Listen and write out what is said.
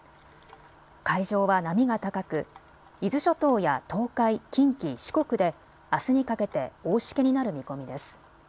海上は波が高く伊豆諸島や東海、近畿、四国であすにかけて大しけになる見込みです。